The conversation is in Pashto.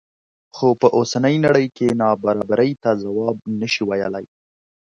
خو په اوسنۍ نړۍ کې نابرابرۍ ته ځواب نه شي ویلی.